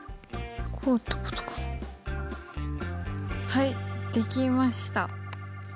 はいできました！